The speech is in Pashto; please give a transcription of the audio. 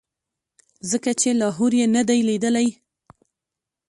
ځکه چې لاهور یې نه دی لیدلی.